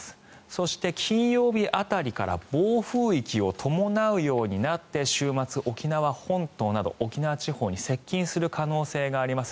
そして金曜日辺りから暴風域を伴うようになって週末、沖縄本島など沖縄地方に接近する可能性があります。